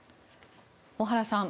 小原さん